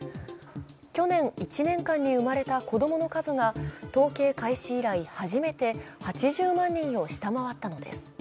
去年１年間に生まれた子供の数が統計開始以来初めて８０万人を下回ったのです。